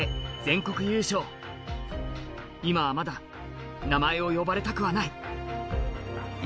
今はまだ名前を呼ばれたくはない怖い！